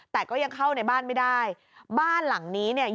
แต่ก็ยังเข้าในบ้านไม่ได้บ้านหลังนี้เนี่ย